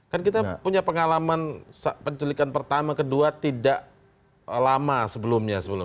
kan kita punya pengalaman penculikan pertama kedua tidak lama sebelumnya